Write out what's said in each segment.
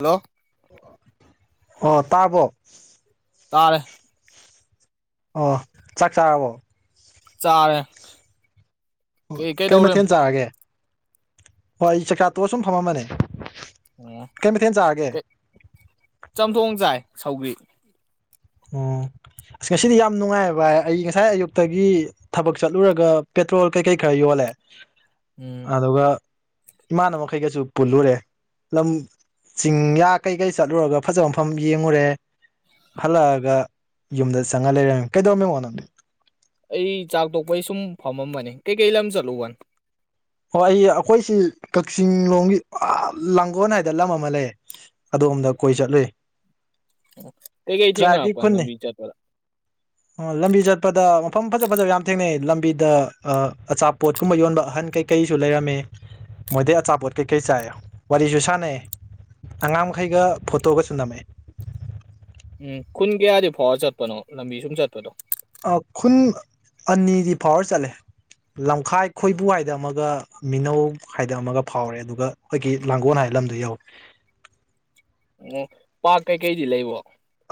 Hello ꯑꯣ ꯇꯥꯔꯕꯣ ꯇꯥꯔꯦ ꯑꯣ ꯆꯥꯛ ꯆꯥꯔꯕꯣ ꯆꯥꯔꯦ ꯀꯩ ꯃꯊꯦꯜ ꯆꯥꯔꯒꯦ ꯍꯣꯏ ꯑꯩ ꯆꯥꯛꯆꯥꯇꯣꯛꯑ ꯁꯨꯝ ꯐꯝꯃꯝꯕꯅꯦ ꯑꯣ ꯀꯩ ꯃꯊꯦꯜ ꯆꯥꯔꯒꯦ ꯆꯝꯊꯣꯡ ꯆꯥꯏ ꯁꯧꯒ꯭ꯔꯤ ꯎꯝ ꯑꯁ ꯉꯁꯤꯗꯤ ꯌꯥꯝ ꯅꯨꯡꯉꯥꯏ ꯚꯥꯏ ꯑꯩ ꯉꯁꯥꯏ ꯑꯌꯨꯛꯇꯒꯤ ꯊꯕꯛ ꯆꯠꯂꯨꯔꯒ ꯄꯦꯇ꯭ꯔꯣꯜ ꯀꯩꯀꯩ ꯈꯔ ꯌꯣꯜꯂꯦ ꯎꯝ ꯑꯗꯨꯒ ꯏꯃꯥꯟꯅꯕꯈꯩꯒꯁꯨ ꯄꯨꯜꯂꯨꯔꯦ ꯂꯝ ꯆꯤꯡꯌꯥ ꯀꯩꯀꯩ ꯆꯠꯂꯨꯔꯒ ꯐꯥꯖꯕ ꯃꯐꯝ ꯌꯦꯡꯉꯨꯔꯦ ꯍꯥꯜꯂꯛꯑꯒꯥ ꯌꯨꯝꯗ ꯆꯪꯉ ꯂꯩꯔꯝꯃꯤ ꯀꯩꯗꯧꯔꯝꯃꯤꯅꯣ ꯅꯪꯗꯤ ꯑꯩ ꯆꯥꯛ ꯇꯣꯛꯄꯩ ꯁꯨꯝ ꯐꯝꯃꯝꯕꯅꯤ ꯀꯩꯀꯩ ꯂꯝ ꯆꯠꯂꯨꯕꯅꯣ ꯑꯣ ꯑꯩ ꯑꯩꯈꯣꯏꯁꯤ ꯀꯛꯆꯤꯡꯂꯣꯝꯒꯤ ꯑꯥ ꯂꯥꯡꯒꯣꯜ ꯍꯥꯏꯗꯅ ꯂꯝ ꯑꯃꯥ ꯂꯩ ꯑꯗꯣꯝꯗ ꯀꯣꯏ ꯆꯠꯂꯨꯏ ꯎꯝ ꯎꯝ ꯀꯩ ꯀꯩ ꯊꯦꯡꯅꯔꯛꯄ ꯂꯝꯕꯤ ꯆꯠꯄꯗ ꯑꯥ ꯂꯝꯕꯤ ꯆꯠꯄꯗ ꯃꯐꯝ ꯐꯖ ꯐꯖꯕ ꯌꯥꯝ ꯊꯦꯡꯅꯩ ꯂꯝꯕꯤꯗ ꯑꯥ ꯑꯆꯥꯄꯣꯠ ꯀꯨꯝꯕ ꯌꯣꯟꯕ ꯑꯍꯥꯟ ꯀꯩꯩ ꯀꯩꯁꯨ ꯂꯩꯔꯝꯃꯦ ꯃꯣꯏꯗꯩ ꯑꯆꯥꯄꯣꯠ ꯀꯩꯀꯩ ꯆꯥꯏ ꯋꯥꯔꯤꯁꯨ ꯁꯥꯟꯅꯩ ꯑꯉꯥꯡ ꯃꯈꯩꯒ ꯐꯣꯇꯣꯒꯁꯨ ꯅꯝꯃꯛꯑꯦ ꯎꯝ ꯈꯨꯟ ꯀꯌꯥꯗꯤ ꯐꯥꯎꯔ ꯆꯠꯄꯅꯣ ꯂꯝꯕꯤ ꯁꯨꯝ ꯆꯠꯄꯗꯣ ꯑꯥ ꯈꯨꯟ ꯑꯅꯤꯗꯤ ꯐꯥꯎꯔ ꯆꯠꯂꯦ ꯂꯝꯈꯥꯏ ꯈꯣꯏꯕꯨ ꯍꯥꯏꯗ ꯑꯃꯥꯒ ꯃꯤꯅꯧ ꯍꯥꯏꯗ ꯑꯃꯥꯒ ꯐꯥꯎꯔꯦ ꯑꯗꯨꯒ ꯑꯩꯈꯣꯏꯒꯤ ꯂꯥꯡꯒꯣꯜ ꯍꯥꯏꯕ ꯂꯝꯗꯣ ꯌꯧꯏ ꯑꯣ ꯄꯥꯛ ꯀꯩꯀꯩꯗꯤ ꯂꯩꯕꯣ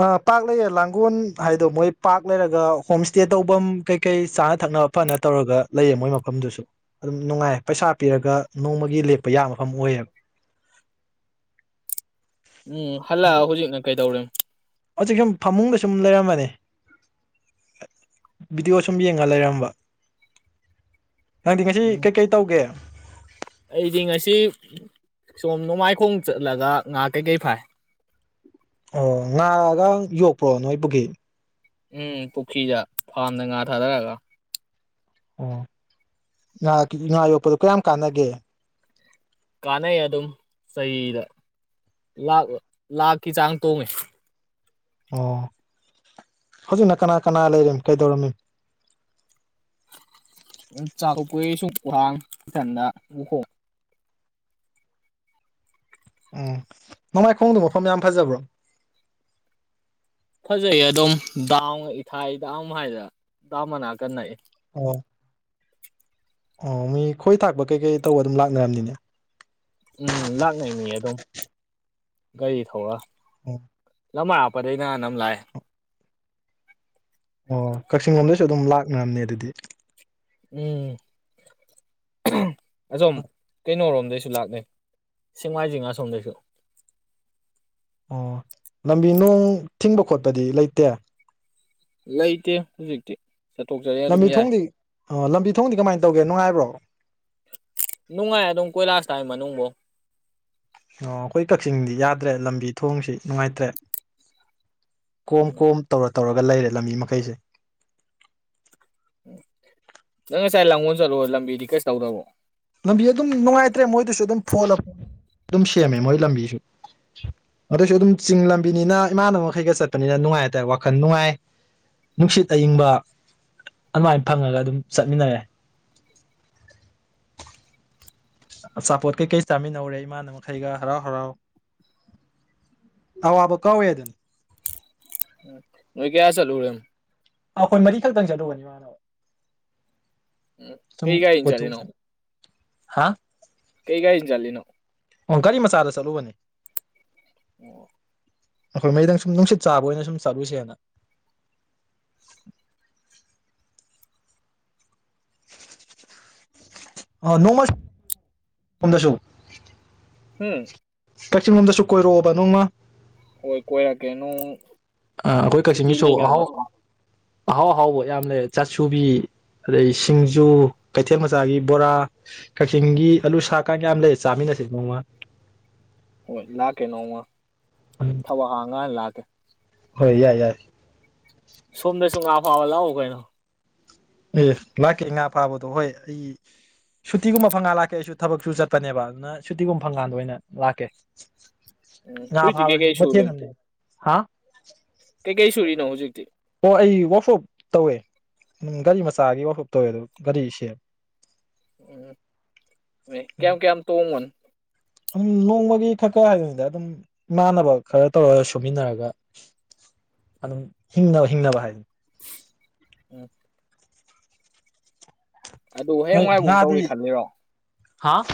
ꯑꯥ ꯄꯥꯛ ꯂꯩꯑꯦ ꯂꯥꯡꯒꯣꯜ ꯍꯥꯏꯗꯣ ꯃꯣꯏ ꯄꯥꯛ ꯂꯩꯔꯒ ꯍꯣꯝ ꯏꯁꯇꯦ ꯇꯧꯐꯝ ꯀꯩꯀꯩ ꯆꯥꯅ ꯊꯛꯅꯕ ꯐꯅ ꯇꯧꯔꯒ ꯂꯩꯑꯦ ꯃꯣꯏ ꯃꯐꯝꯗꯨꯁꯨ ꯑꯗꯨꯝ ꯅꯨꯡꯉꯥꯏꯌꯦ ꯄꯩꯁꯥ ꯄꯤꯔꯒ ꯅꯣꯡꯃꯒꯤ ꯂꯦꯛꯄ ꯌꯥ ꯃꯐꯝ ꯑꯣꯏꯌꯦꯕ ꯎꯝ ꯍꯜꯂꯛꯑ ꯍꯧꯖꯤꯛꯅ ꯀꯩ ꯇꯧꯔꯤ ꯍꯧꯖꯤꯛ ꯁꯨꯝ ꯐꯃꯨꯡꯒ ꯁꯨꯝ ꯂꯩꯔꯝꯕꯅꯤ ꯚꯤꯗꯤꯑꯣ ꯁꯨꯝ ꯌꯦꯡꯉꯒ ꯂꯩꯔꯝꯕ ꯅꯪꯗꯤ ꯉꯁꯤ ꯎꯝ ꯀꯩꯀꯩ ꯇꯧꯒꯦ ꯑꯩꯗꯤ ꯉꯁꯤ ꯁꯣꯝ ꯅꯣꯡꯃꯥꯏꯈꯣꯡ ꯆꯠꯂꯒ ꯉꯥ ꯀꯩꯀꯩ ꯐꯥꯏ ꯑꯣ ꯉꯥ [unintelligible] ꯌꯣꯛꯄ꯭ꯔꯣ ꯅꯣꯏꯄꯨꯈꯤ ꯎꯝ ꯄꯨꯈ꯭ꯔꯤꯗ ꯐꯥꯔꯝꯗ ꯉꯥ ꯊꯥꯗꯔꯒ ꯑꯣ ꯉ ꯉꯥ ꯌꯣꯛꯄꯗꯨ ꯀꯌꯥꯝ ꯀꯥꯟꯅꯒꯦ ꯀꯥꯟꯅꯩ ꯑꯗꯨꯝ ꯆꯍꯤꯗ ꯂꯥꯛ ꯂꯥꯛꯀꯤ ꯆꯥꯡ ꯇꯣꯡꯉꯦ ꯑꯣ ꯍꯧꯖꯤꯛꯅ ꯀꯅꯥ ꯀꯅꯥ ꯂꯩꯔꯤ ꯀꯩꯗꯧꯔꯝꯃꯤ ꯎ ꯆꯥꯛꯀꯄꯨ ꯁꯨꯝ ꯎꯍꯥꯡ ꯏꯊꯟꯗ ꯎꯍꯣꯡ ꯎꯝ ꯅꯃꯥꯏꯈꯣꯡꯗꯣ ꯃꯐꯝ ꯌꯥꯝ ꯐꯖꯕ꯭ꯔꯣ ꯐꯖꯩꯌꯦ ꯑꯗꯨꯝ ꯗꯥꯎ ꯏꯊꯥꯏꯗꯥꯎꯝ ꯍꯥꯏꯗꯅ ꯗꯥꯝ ꯃꯅꯥ ꯀꯟꯅꯛꯑ ꯑꯣ ꯑꯣ ꯃꯤ ꯈꯣꯏ ꯊꯥꯛꯄ ꯀꯩꯀꯩ ꯇꯧꯕ ꯑꯗꯨꯝ ꯂꯥꯛꯅꯔꯝꯅꯤꯅꯦ ꯎꯝ ꯂꯥꯛꯅꯩ ꯃꯤ ꯑꯗꯨꯝ ꯒꯥꯔꯤ ꯊꯧꯔ ꯎꯝ ꯂꯝꯃꯥꯏ ꯍꯥꯞꯄꯗꯩꯅ ꯅꯝ ꯂꯥꯛꯑꯦ ꯑꯣ ꯀꯛꯆꯤꯡ ꯂꯣꯝꯗꯁꯨ ꯑꯗꯨꯝ ꯂꯥꯛꯅꯝꯅꯦ ꯑꯗꯨꯗꯤ ꯎꯝ [unintelligible] ꯑꯁꯣꯝ ꯀꯩꯅꯣꯔꯣꯝꯗꯩ ꯁꯨ ꯂꯥꯛꯅꯩ ꯁꯦꯡꯃꯥꯏꯖꯤꯡ ꯑꯁꯣꯝꯗꯩꯁꯨ ꯑꯣ ꯂꯝꯕꯤ ꯅꫭꯡ ꯊꯤꯡꯕ ꯈꯣꯠꯄꯗꯤ ꯂꯩꯇꯦ ꯂꯩꯇꯦ ꯍꯧꯖꯤꯛꯇꯤ ꯆꯊꯣꯛꯆꯔꯤ ꯑꯗꯨꯝ ꯂꯝꯕꯤ ꯌꯥꯏ ꯊꯣꯡꯗꯤ ꯑꯣ ꯂꯝꯕꯤ ꯊꯣꯡꯗꯤ ꯀꯃꯥꯏꯅ ꯇꯧꯒꯦ ꯅꯨꯡꯉꯥꯏꯕ꯭ꯔꯣ? ꯅꯨꯡꯉꯥꯏ ꯑꯗꯨꯝ ꯀꯣꯏꯂꯥꯁ ꯊꯥꯏ ꯃꯅꯨꯡꯕꯧ ꯫ ꯑꯣ ꯑꯩꯈꯣꯏ ꯀꯛꯆꯤꯡꯗꯤ ꯌꯥꯗ꯭ꯔꯦ ꯂꯝꯕꯤ ꯊꯣꯡꯁꯤ ꯅꯨꯡꯉꯥꯏꯇ꯭ꯔꯦ꯫ ꯀꯣꯝ- ꯎꯝ ꯀꯣꯝ ꯇꯧꯔ ꯇꯧꯔꯒ ꯂꯩꯔꯦ ꯂꯝꯕꯤ ꯃꯈꯩꯁꯦ꯫ ꯅꯪ ꯉꯁꯥꯏ ꯂꯥꯡꯒꯣꯜ ꯆꯠꯂꯨꯕꯗꯣ ꯂꯝꯕꯤꯗꯤ ꯀꯩꯁ ꯇꯧꯗꯕꯔꯣ? ꯂꯝꯕꯤ ꯑꯗꯨꯝ ꯅꯨꯡꯉꯥꯏꯇ꯭ꯔꯦ ꯃꯣꯏꯗꯁꯨ ꯑꯗꯨꯝ ꯐꯣꯠꯂꯦ ꯑꯗꯨꯝ ꯁꯦꯝꯃꯦ ꯃꯣꯏ ꯂꯝꯕꯤꯁꯨ ꯑꯗꯨꯏꯁꯨ ꯑꯗꯨꯝ ꯆꯤꯡ ꯂꯝꯕꯤꯅꯤꯅ ꯏꯃꯥꯟꯅꯕ ꯃꯈꯩꯒ ꯆꯠꯄꯅꯤꯅ ꯅꯨꯡꯉꯥꯏ ꯍꯥꯏꯇꯥꯔꯦ ꯋꯥꯈꯜ ꯅꯨꯡꯉꯥꯏ ꯅꯨꯡꯁꯤꯠ ꯑꯏꯤꯡꯕ ꯑꯗꯨꯃꯥꯏꯅ ꯐꯪꯉꯒ ꯑꯗꯨꯝ ꯆꯠꯃꯤꯟꯅꯔꯦ꯫ ꯑꯆꯥꯄꯣꯠ ꯀꯩꯀꯩ ꯆꯥꯃꯤꯟꯅꯧꯔꯦ ꯏꯃꯥꯅꯕ ꯃꯈꯩꯒ ꯍꯔꯥꯎ - ꯍꯔꯥꯎ ꯑꯋꯥꯕ ꯀꯥꯎꯋꯦ ꯑꯗꯨꯅꯤ꯫ ꯃꯣꯏ ꯀꯌꯥ ꯆꯂꯨꯔꯦꯝ ꯑꯈꯣꯏ ꯃꯔꯤꯈꯛꯇꯪ ꯆꯠꯂꯨꯕꯅꯤ ꯃꯥꯅꯕ ꯎ ꯀꯩ ꯒꯥꯔꯤ ꯆꯂꯤꯅꯣ ꯍꯥ ꯀꯩ ꯒꯥꯔꯤ ꯆꯂꯤꯅꯣ ꯑꯣꯒꯥꯔꯤ ꯃꯆꯥꯗ ꯆꯠꯂꯨꯕꯅꯦ ꯑꯣ ꯑꯈꯣꯏ ꯃꯩꯗꯪ ꯁꯨꯝ ꯅꯨꯡꯁꯤꯠ ꯆꯥꯕ ꯑꯣꯏꯅ ꯁꯨꯝ ꯆꯠꯂꯨꯁꯦꯅ ꯑ ꯅꯣꯡꯃ [unintelligible] ꯗꯁꯨ ꯍꯝ ꯀꯛꯆꯤꯡ ꯂꯣꯝꯗꯁꯨ ꯀꯣꯏꯔꯛꯑꯣꯕ ꯅꯣꯡꯃ ꯍꯣꯏ ꯀꯣꯏꯔꯀꯦ ꯅꯣꯡ ꯑꯩ ꯑꯈꯣꯏ ꯁꯨꯇꯤ ꯀꯛꯆꯤꯡꯒꯤꯁꯨ ꯂꯩꯀꯥꯟꯗ ꯁꯨꯝ ꯑꯍꯥꯎꯕ ꯑꯍꯥꯎ ꯑꯍꯥꯎꯕ ꯌꯥꯝ ꯂꯩꯔꯦ ꯆꯥꯁꯨꯕꯤ ꯑꯗꯩ ꯁꯤꯡꯖꯨ ꯀꯩꯊꯦꯜ ꯃꯆꯥꯒꯤ ꯕꯣꯔꯥ ꯀꯛꯆꯤꯡꯒꯤ ꯑꯂꯨ ꯁꯥꯛꯀꯥ ꯌꯥꯝ ꯂꯩꯔꯦ ꯆꯥꯃꯤꯟꯅꯁꯤ ꯅꯣꯡꯃ ꯍꯣꯏ ꯂꯥꯀꯦ ꯅꯣꯡꯃ ꯎꯝ ꯊꯋꯥ ꯍꯥꯡꯉ ꯂꯥꯛꯀꯦ ꯍꯣꯏ ꯌꯥꯏ ꯌꯥꯏ ꯍꯥꯎꯕ ꯂꯥꯎꯑꯣ ꯀꯩꯅꯅꯣ ꯑꯦ ꯂꯥꯛꯀꯦ ꯉꯥ ꯐꯥꯕꯗꯣ ꯍꯣꯏ ꯑꯩ ꯁꯨꯇꯤꯒꯨꯝꯕ ꯐꯪꯉꯥꯟ ꯂꯥꯛꯀꯦ ꯑꯩꯁꯨ ꯊꯕꯛꯁꯨ ꯆꯠꯄꯅꯦꯕ ꯑꯗꯨꯅ ꯁꯨꯇꯤꯒꯨꯝꯕ ꯐꯪꯀꯥꯟꯗ ꯑꯣꯏꯅ ꯂꯥꯛꯀꯦ ꯎꯝ ꯉꯥ ꯍꯨꯏꯗꯤ ꯐꯥꯕꯁꯨ ꯀꯩꯀꯩ ꯁꯨꯔꯤ ꯃꯊꯦꯜ ꯑꯃꯅꯦ ꯍꯥ ꯀꯩꯀꯩ ꯁꯨꯔꯤꯅꯣ ꯍꯧꯖꯤꯛꯇꯤ ꯑꯣ ꯑꯩ ꯋꯥꯛꯁꯣꯞ ꯇꯧꯋꯦ ꯎꯝ ꯒꯥꯔꯤ ꯃꯆꯥꯒꯤ ꯋꯥꯛꯁꯣꯞ ꯇꯧꯋꯦ ꯑꯗꯨ ꯒꯥꯔꯤ ꯁꯦꯝ ꯎꯝ ꯀꯌꯥꯝ ꯀꯌꯥꯝ ꯇꯣꯡ ꯑꯨꯝ ꯅꯣꯡꯃꯒꯤ ꯈꯛ ꯈꯔ ꯍꯥꯏꯗꯅꯤꯗ ꯑꯗꯨꯝ ꯏꯃꯥꯟꯅꯕ ꯈꯔ ꯇꯧꯔꯒ ꯁꯨꯃꯤꯟꯅꯔꯒ ꯑꯗꯨꯝ ꯍꯤꯡꯅꯕ ꯍꯤꯡꯅꯕ ꯍꯥꯏꯗꯨꯅꯤ ꯎꯝ ꯑꯗꯨ ꯍꯌꯦꯡꯋꯥꯏꯕꯧ ꯇꯧꯒꯦ ꯈꯜꯂꯤꯔꯣ ꯍꯥꯥ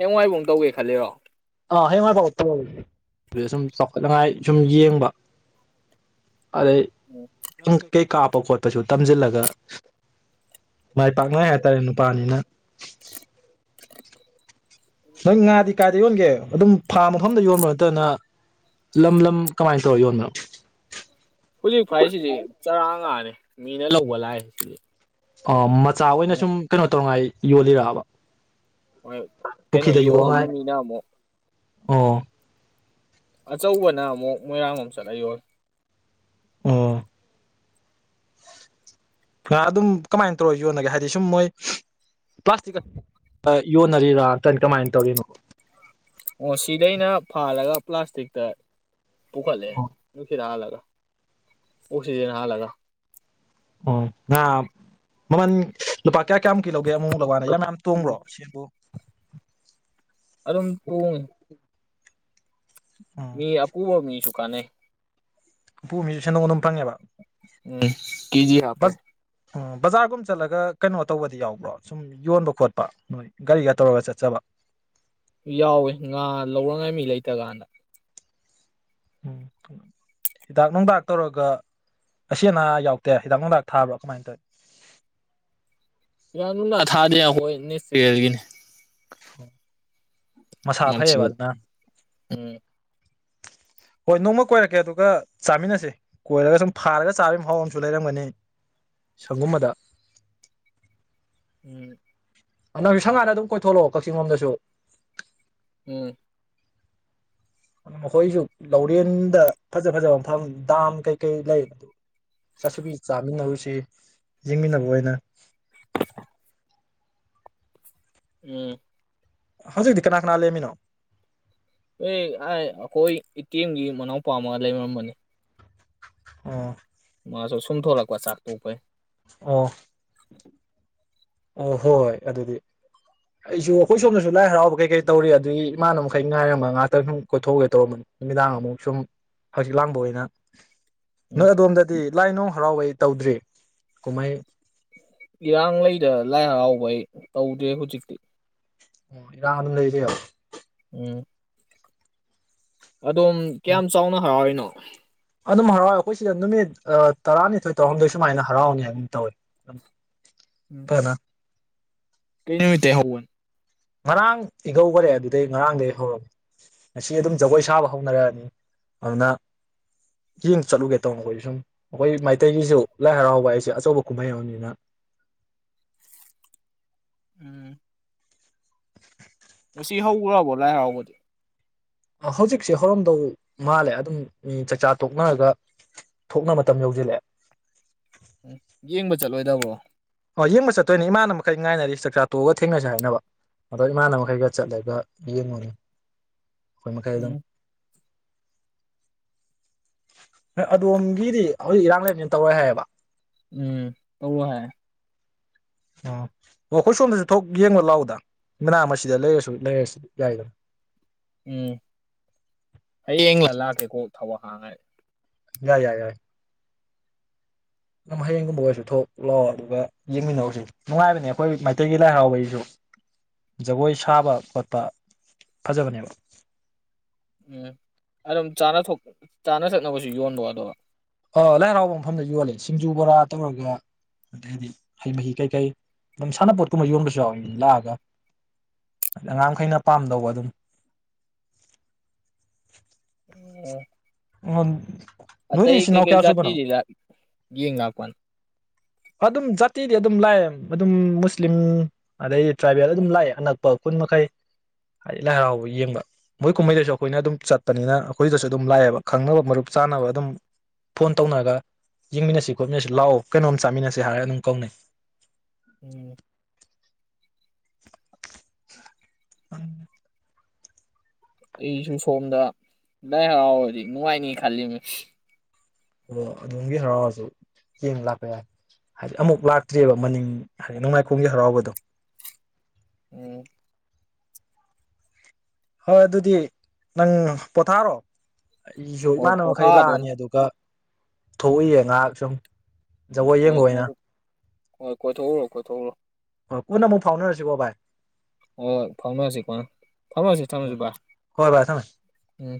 ꯍꯦꯡꯡꯋꯥꯏꯕꯧ ꯇꯧꯒꯦ ꯈꯜꯂꯤꯔꯣ ꯑꯥ ꯍꯌꯦꯡꯋꯥꯏ ꯐꯥꯎ [inaudible] ꯑꯗꯨ ꯁꯨꯝ ꯆꯥꯎꯈꯠꯅꯤꯉꯥꯏ ꯁꯨꯝ ꯌꯦꯡꯕ ꯑꯗꯩ ꯎꯝ ꯀ [unintelligible] ꯀꯥꯞꯄ ꯈꯣꯠꯄꯁꯨ ꯇꯝꯖꯤꯜꯂꯒ ꯃꯥꯏ ꯄꯥꯛꯅꯥꯏ ꯍꯥꯏꯇꯥꯔꯦ ꯅꯨꯄꯥꯅꯤꯅ ꯅꯪ ꯉꯥꯗꯤ ꯀꯥꯏꯗ ꯌꯣꯟꯒꯦ ꯑꯗꯨꯝ ꯐꯥ ꯃꯐꯝꯗ ꯌꯣꯟꯕ ꯅꯠꯇꯅ ꯂꯝ ꯂꯝ ꯀꯃꯥꯏꯅ ꯇꯧꯔ ꯌꯣꯟꯕꯅꯣ ꯍꯧꯖꯤꯛ ꯐꯥꯏꯁꯤꯗꯤ ꯆꯔꯥ ꯉꯥꯅꯤ ꯃꯤꯅ ꯂꯧꯕ ꯂꯥꯛꯑꯦ ꯁꯤꯗꯤ ꯑꯥ ꯃꯠ ꯆꯥ ꯑꯣꯏꯅ ꯁꯨꯝ ꯀꯩꯅꯣ ꯇꯧꯅꯉꯥꯏ ꯌꯣꯜꯂꯤꯔꯕ ꯍꯣꯏ ꯀꯩꯅꯣ ꯄꯨꯈ꯭ꯔꯤꯗ ꯌꯣꯛꯅꯉꯥꯏ ꯌꯣꯛꯉꯥꯏ ꯃꯤꯅ ꯑꯃꯨꯛ ꯑꯣ ꯑꯆꯧꯕꯅ ꯑꯃꯨꯛ ꯃꯣꯏꯔꯥꯡꯂꯣꯝ ꯆꯠꯂ ꯌꯣꯜ ꯑꯣ ꯑꯗꯨꯝ ꯀꯃꯥꯏꯅ ꯇꯧꯔ ꯌꯣꯟꯅꯒꯦ ꯍꯥꯏꯗꯤ ꯁꯨꯝ ꯃꯣꯏ ꯄ꯭ꯂꯥꯁꯇꯤꯛꯀ ꯌꯣꯟꯅꯔꯤꯔꯥ ꯅꯠꯇ ꯀꯃꯥꯏꯅ ꯇꯧꯔꯤꯅꯣ ꯑꯣ ꯁꯤꯗꯩꯅ ꯐꯥꯜꯂꯒꯥ ꯄ꯭ꯂꯥꯁꯇꯤꯛꯇ ꯄꯨꯈꯠꯂꯦ ꯑꯣ ꯅꯨꯡꯁꯤꯠ ꯍꯜꯂꯒꯥ ꯑꯣꯀ꯭ꯁꯤꯖꯦꯟ ꯍꯥꯟꯂꯒ ꯑꯣ [unintelligible] ꯃꯃꯟ ꯂꯨꯄꯥ ꯀꯌꯥ ꯀꯌꯥꯃꯨꯛꯀꯤ ꯂꯧꯒꯦ ꯑꯃꯨꯛ ꯃꯨꯛ ꯂꯧ ꯀꯥꯟꯗ ꯃꯌꯥꯝ ꯃꯌꯥꯝ ꯎꯝ ꯇꯣꯡꯕ꯭ꯔꯣ ꯁꯦꯟꯕꯣ ꯑꯗꯨꯝ ꯇꯣꯡꯉꯦ ꯎꯝ ꯃꯤ ꯑꯄꯨꯕ ꯃꯤꯁꯨ ꯀꯥꯅꯩ ꯑꯄꯨꯕ ꯃꯤꯁꯨ ꯁꯦꯟꯗꯣꯡ ꯑꯗꯨꯝ ꯐꯪꯉꯦꯕ ꯎꯝ ꯀꯦꯖꯤ ꯍꯥꯄꯩ ꯑꯣ ꯕꯖꯥꯔꯒꯨꯝ ꯆꯠꯂꯒ ꯀꯩꯅꯣ ꯇꯧꯕꯗꯤ ꯌꯥꯎꯕ꯭ꯔꯣ ꯁꯨꯝ ꯌꯣꯟꯕ ꯈꯣꯠꯄ ꯅꯣꯏ ꯒꯥꯔꯤꯒ ꯇꯧꯔꯒ ꯆꯠꯆꯕ ꯌꯥꯎꯋꯦ ꯉꯥ ꯂꯧꯔꯉꯥꯏ ꯃꯤ ꯂꯩꯇ ꯀꯥꯟꯗ ꯎꯝ ꯍꯤꯗꯥꯛ ꯅꯨꯡꯗꯥꯛ ꯇꯧꯔꯒ ꯑꯁꯤ ꯑꯅꯥ ꯌꯥꯎꯗꯦ ꯍꯤꯗꯥꯛ ꯅꯨꯡꯗꯥꯛ ꯊꯥꯕ꯭ꯔꯣ ꯀꯃꯥꯏꯅ ꯇꯧꯋꯤ ꯍꯤꯗꯥꯛ ꯅꯨꯪꯗꯥꯛ ꯊꯥꯗꯦ ꯑꯩꯈꯣꯏ ꯅꯦꯛꯁ ꯌꯤꯑꯔꯒꯤꯅꯤ ꯍꯣꯏ ꯃꯁꯥ ꯃꯆꯤ ꯐꯩꯌꯦꯕ ꯑꯗꯨꯅ ꯎꯝ ꯍꯣꯏ ꯅꯣꯡꯃ ꯀꯣꯏꯔꯛꯀꯦ ꯑꯗꯨꯒ ꯆꯥꯃꯤꯟꯅꯁꯦ ꯀꯣꯏꯔꯒ ꯁꯨꯝ ꯐꯥꯔꯒ ꯆꯥꯕꯒꯤ ꯃꯍꯥꯎ ꯑꯃꯁꯨ ꯂꯩꯔꯝꯒꯅꯤ ꯁꯪꯒꯨꯝꯕꯗ ꯎꯝ ꯅꯡ ꯁꯪꯉ ꯑꯗꯨꯝ ꯀꯣꯏꯊꯣꯛꯂꯛꯑꯣ ꯀꯛꯆꯤꯡ ꯂꯣꯝꯗꯁꯨ ꯎꯝ ꯑꯩꯈꯣꯏꯁꯨ ꯂꯧꯔꯦꯟꯗ ꯐꯖ ꯐꯖꯕ ꯃꯐꯝ ꯗꯥꯝ ꯀꯩꯀꯩ ꯂꯩ ꯆꯥꯁꯨꯕꯤ ꯆꯥꯃꯤꯟꯅꯔꯨꯁꯤ ꯌꯦꯡꯃꯤꯟꯅꯕ ꯑꯣꯏꯅ ꯎꯝ ꯍꯧꯖꯤꯛꯇꯤ ꯀꯅꯥ ꯀꯅꯥ ꯂꯩꯔꯝꯃꯤꯅꯣ ꯑꯦ ꯑꯩꯈꯣꯏ ꯏꯇꯦꯝꯒꯤ ꯃꯅꯥꯎꯄꯥꯝꯃꯒ ꯂꯩꯃꯔꯝꯕꯅꯤ ꯑꯣ ꯃꯥꯁꯨ ꯁꯨꯝ ꯊꯣꯛꯂꯛꯄ ꯆꯥꯛ ꯇꯣꯛꯄꯩ ꯑꯣ ꯑꯣ ꯍꯣꯏ ꯍꯣꯏ ꯑꯗꯨꯗꯤ ꯑꯩꯁꯨ ꯑꯩꯈꯣꯏ ꯁꯣꯝꯗꯁꯨ ꯂꯥꯏ ꯍꯔꯥꯎꯕ ꯀꯩ ꯀꯩ ꯇꯧꯔꯤ ꯑꯗꯨꯒꯤ ꯏꯃꯥꯟꯅꯕ ꯃꯈꯩ ꯉꯥꯏꯔꯝꯕ ꯉꯍꯥꯛꯇꯪ ꯁꯨꯝ ꯀꯣꯏꯊꯣꯛꯎꯒꯦ ꯇꯧꯔꯝꯕꯅꯤ ꯅꯨꯃꯤꯗꯥꯡ ꯑꯃꯨꯛ ꯁꯨꯝ ꯍꯛꯆꯤꯠ ꯂꯥꯡꯕ ꯑꯣꯏꯅ ꯎꯝ ꯅꯣꯏ ꯑꯗꯣꯝꯗꯗꯤ ꯂꯥꯏ ꯅꯨꯡ ꯍꯔꯥꯎꯕꯩ ꯇꯧꯗ꯭ꯔꯤ ꯀꯨꯝꯍꯩ ꯏꯌꯥꯥꯡ ꯂꯩꯗ ꯂꯥꯏ ꯍꯔꯥꯎꯕꯩ ꯇꯧꯗꯦ ꯍꯧꯖꯤꯛꯇꯤ ꯑꯣ ꯏꯔꯥꯡ ꯑꯗꯨꯝ ꯂꯩꯔꯤꯕ ꯎꯝ ꯑꯗꯣꯝ ꯀꯌꯥꯝ ꯆꯥꯎꯅ ꯍꯔꯥꯎꯔꯤꯅꯣ ꯑꯗꯨꯝ ꯍꯔꯥꯎꯋꯦ ꯑꯩꯈꯣꯏ ꯁꯤꯗ ꯅꯨꯃꯤꯠ ꯇꯔꯥꯅꯤꯊꯣꯏ ꯇꯔꯥꯍꯨꯝꯗꯣꯏ ꯁꯨꯃꯥꯏꯅ ꯍꯔꯥꯎꯅꯤ ꯍꯥꯏꯒꯨꯝ ꯇꯧꯋꯦ ꯎꯝ ꯐꯖꯅ ꯀꯩ ꯅꯨꯃꯤꯠꯇꯩ ꯍꯧꯕꯅꯣ ꯉꯔꯥꯡ ꯏꯀꯧꯈꯔꯦ ꯑꯗꯨꯗꯩ ꯉꯔꯥꯡꯗꯒꯤ ꯍꯧꯔꯃꯤ ꯉꯁꯤ ꯑꯗꯨꯝ ꯖꯒꯣꯏ ꯁꯥꯕ ꯍꯧꯅꯔꯛꯑꯅꯤ ꯑꯗꯨꯅ ꯌꯦꯡ ꯆꯠꯂꯨꯒꯦ ꯇꯧ ꯑꯩꯈꯣꯏꯁꯨ ꯁꯨꯝ ꯑꯩꯈꯣꯏ ꯃꯩꯇꯩꯒꯤꯁꯨ ꯂꯥꯏ ꯍꯔꯥꯎꯕ ꯍꯥꯏꯁꯦ ꯑꯆꯧꯕ ꯀꯨꯝꯍꯩ ꯑꯃꯅꯤꯅ꯫ [inaudible] ꯉꯁꯤ ꯍꯧꯈ꯭ꯔꯕꯣ ꯂꯥꯏ ꯍꯔꯥꯎꯕꯗꯤ ꯍꯧꯖꯤꯛꯁꯦ ꯍꯧꯔꯝꯗꯧ ꯃꯥꯜꯂꯦ ꯑꯗꯨꯝ ꯃꯤ ꯆꯥꯛꯆꯥ ꯊꯣꯛꯅꯔꯒ ꯊꯣꯛꯅ ꯃꯇꯝ ꯌꯧꯁꯤꯜꯂꯛꯑꯦ ꯎꯝ ꯌꯦꯡꯕ ꯆꯠꯂꯣꯏꯗꯕꯣ ꯑ ꯌꯦꯡꯕ ꯆꯠꯇꯣꯏꯅꯦ ꯏꯃꯥꯟꯅꯕ ꯃꯈꯩ ꯉꯥꯏꯅꯔꯤ ꯆꯥꯛꯆꯥꯥ ꯇꯣꯛꯑꯒ ꯊꯦꯡꯅꯁꯦ ꯍꯥꯏꯅꯕ ꯑꯗꯣ ꯏꯃꯥꯟꯅꯕ ꯃꯈꯩꯒ ꯆꯠꯂꯒ ꯌꯦꯡꯉꯨꯅꯤ꯫ ꯑꯩꯈꯣꯏ ꯃꯈꯩ ꯑꯗꯨꯝ ꯎꯝ ꯅꯣꯏ ꯑꯗꯣꯝꯒꯤꯗꯤ ꯍꯧꯖꯤꯛ ꯏꯔꯥꯡ ꯂꯩꯕꯅ ꯇꯧꯔꯦ ꯍꯥꯏꯌꯦꯕ꯫ ꯎꯝ ꯇꯧꯔꯣꯏ ꯍꯥꯏ꯫ ꯑꯣ ꯑꯣ ꯑꯩꯈꯣꯏ ꯁꯣꯝꯗꯁꯨ ꯊꯣꯛ ꯌꯦꯡꯕ ꯂꯥꯛꯎꯗ ꯃꯅꯥꯗ ꯂꯩꯔꯁꯨ ꯂꯩꯔꯁꯨ ꯌꯥꯏꯗꯅ ꯎꯝ ꯍꯌꯦꯡꯂ ꯂꯛꯀꯦ ꯀꯣ ꯊꯧꯋꯥ [unintelligible] ꯌꯥꯏ ꯌꯥꯏ ꯌꯥꯏ ꯑꯗꯨꯝ ꯍꯌꯦꯡꯒꯨꯝꯕ ꯑꯣꯏꯔꯁꯨ ꯊꯣꯛ ꯂꯥꯛꯑꯣ ꯑꯗꯨꯒ ꯌꯦꯡꯃꯤꯟꯅꯔꯁꯨ ꯅꯨꯡꯉꯥꯏꯕꯅꯦ ꯑꯩꯈꯣꯏ ꯃꯩꯇꯩꯒꯤ ꯂꯥꯏ ꯍꯔꯥꯎꯕꯩꯁꯨ ꯖꯒꯣꯏ ꯁꯥꯕ ꯈꯣꯠꯄ ꯐꯖꯕꯅꯦꯕ ꯎꯝ ꯑꯗꯨꯝ ꯆꯥꯅ ꯊꯛꯅꯕꯁꯨ ꯌꯣꯟꯕꯣ ꯑꯗꯣ꯫ ꯑꯥ ꯂꯥꯏ ꯍꯔꯥꯎꯕ ꯃꯐꯝꯗ ꯌꯣꯜꯂꯤꯦ ꯁꯤꯡꯖꯨ ꯕꯣꯔꯥ ꯇꯧꯔꯒ ꯑꯗꯩꯗꯤ ꯍꯩ ꯃꯍꯤ ꯀꯩꯀꯩ ꯑꯗꯨꯝ ꯁꯥꯟꯅꯄꯣꯠ ꯀꯨꯝꯕ ꯌꯣꯟꯕꯁꯨ ꯌꯥꯎꯋꯤ ꯂꯥꯛꯑꯒ ꯑꯉꯥꯡꯈꯩꯅ ꯄꯥꯝꯗꯧꯕ ꯑꯗꯨꯝ ꯑꯣ ꯍ [unintelligible] ꯑꯇꯩ ꯀꯩꯀꯩ ꯖꯥꯇꯤꯗꯤ ꯌꯦꯡ ꯂꯥꯛꯄꯅꯣ ꯑꯗꯨꯝ ꯖꯥꯇꯤꯗꯤ ꯑꯗꯨꯝ ꯂꯥꯛꯑꯦ ꯑꯗꯨꯝ ꯃꯨꯁꯂꯤꯝ ꯑꯗꯩ ꯇ꯭ꯔꯥꯏꯕꯦꯜ ꯑꯗꯨꯝ ꯂꯥꯛꯑꯦ ꯑꯅꯛꯄ ꯈꯨꯟ ꯃꯈꯩ ꯍꯥꯏꯗꯤ ꯂꯥꯏ ꯍꯔꯥꯎꯕ ꯌꯦꯡꯕ ꯃꯣꯏ ꯀꯨꯝꯍꯩꯗꯁꯨ ꯑꯩꯈꯣꯏꯅ ꯑꯗꯨꯝ ꯆꯠꯄꯅꯤꯅ ꯑꯩꯈꯣꯏꯗꯁꯨ ꯑꯗꯨꯝ ꯂꯥꯛꯑꯦꯕ ꯈꯪꯅꯕ ꯃꯔꯨꯞ ꯆꯥꯅꯕ ꯑꯗꯨꯝ ꯐꯣꯟ ꯇꯧꯅꯔꯒ ꯌꯦꯡꯃꯤꯟꯅꯁꯤ ꯈꯣꯠꯃꯤꯟꯅꯁꯤ ꯂꯥꯛꯑꯣ ꯀꯩꯅꯣꯝ ꯆꯥꯃꯤꯟꯅꯁꯦ ꯍꯥꯏꯔ ꯑꯗꯨꯝ ꯀꯧꯅꯩ ꯎꯝ [unintelligible] ꯎꯝ ꯑꯩꯁꯨ ꯁꯣꯝꯗ ꯂꯥꯏ ꯍꯔꯥꯎꯔꯗꯤ ꯅꯨꯡꯉꯥꯏꯅꯤ ꯈꯜꯂꯤꯅꯤ ꯑꯣ ꯑꯗꯣꯝꯒꯤ ꯍꯔꯥꯎꯔꯁꯨ ꯌꯦꯡꯕ ꯂꯥꯛꯄ ꯌꯥꯏ ꯍꯥꯏꯗꯤ ꯑꯃꯨꯛ ꯂꯥꯛꯇ꯭ꯔꯤꯑꯕ ꯃꯅꯤꯡ ꯍꯥꯏꯗꯤ ꯅꯣꯡꯃꯥꯏꯈꯣꯡꯒꯤ ꯍꯔꯥꯎꯕꯗꯣ꯫ ꯎꯝ ꯍꯣꯏ ꯑꯗꯨꯗꯤ ꯅꯪ ꯄꯣꯊꯥꯔꯣ꯫ ꯑꯩꯁꯨ ꯍꯣꯏ ꯏꯃꯥꯟꯅꯕ ꯃꯈꯩ ꯄꯣꯊꯥꯗꯣꯅꯤ ꯂꯥꯛꯑꯅꯤ ꯑꯗꯨꯒ ꯊꯣꯛꯎꯌꯦ ꯉꯥꯏꯍꯥꯛ ꯁꯨꯝ꯫ ꯖꯒꯣꯏ ꯍꯣ ꯌꯦꯡꯕ ꯑꯣꯏꯅ ꯅꯪꯁꯨ ꯍꯣꯏ ꯀꯣꯏꯊꯣꯛꯎꯔꯣ ꯀꯣꯏꯊꯣꯛꯎꯔꯣ꯫ ꯍꯣꯏ ꯀꯣꯟꯅ ꯑꯃꯨꯛ ꯐꯥꯎꯅꯔꯁꯤꯀꯣ ꯚꯥꯏ꯫ ꯑꯣ ꯐꯥꯎꯅꯁꯦ ꯀꯣꯟꯅ ꯫ ꯊꯝꯃꯁꯤ ꯊꯝꯃꯁꯤ ꯍꯣꯏ ꯕꯥꯏ ꯍꯣꯏ ꯚꯥꯏ ꯊꯝꯃꯦ ꯎꯝ꯫